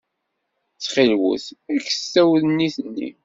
Ttxilwet, kkset awennit-nni.